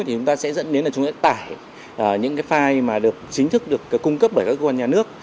thì chúng ta sẽ dẫn đến là chúng ta tải những cái file mà được chính thức được cung cấp bởi các cơ quan nhà nước